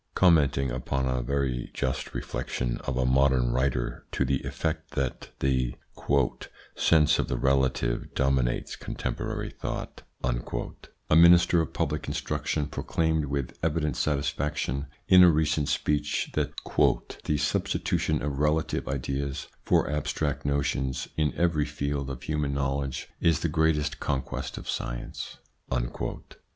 Commenting upon a very just reflection of a modern writer to the effect that the " sense of the relative dominates contemporary thought," a Minister of Public Instruction proclaimed with evident satis faction in a recent speech that "the substitution of relative ideas for abstract notions in every field of ITS INFLUENCE ON THEIR EVOLUTION 217 human knowledge is the greatest conquest of science."